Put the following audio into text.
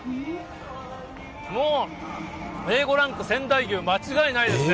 もうＡ５ランク仙台牛、間違いないですね。